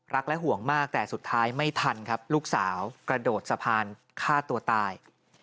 ห่วงมากแต่สุดท้ายไม่ทันครับลูกสาวกระโดดสะพานฆ่าตัวตาย